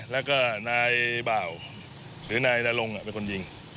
แล้วก็นายบ่าวหรือนายนรงเป็นคนยิง